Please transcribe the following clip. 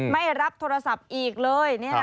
ไม่รับโทรศัพท์อีกเลย